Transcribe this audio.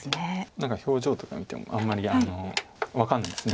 何か表情とかを見てもあんまり分かんないです。